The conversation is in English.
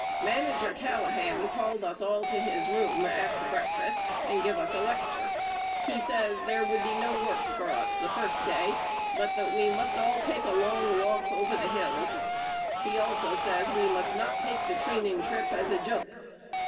Manager Callahan called us all to his room after breakfast and give us a lecture. He says there would be no work for us the first day but that we must all take a long walk over the hills. He also says we must not take the training trip as a joke.